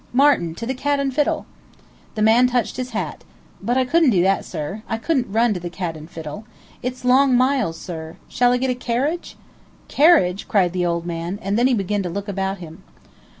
Martin, to the Cat and Fiddle!" The man touched his hat. "But I couldn't do that, sir. I couldn't run to the Cat and Fiddle. It's long miles, sir. Shall I get a carriage?" "Carriage!" cried the old man, and then he began to look about him.